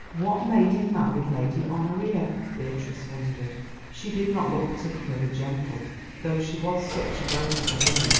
What made him marry Lady Honoria? Beatrice wondered; she did not look particularly gentle, though she was such a graceful woman.